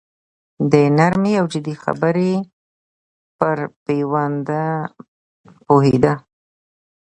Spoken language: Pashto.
د نرمې او جدي خبرې پر پېوند پوهېده.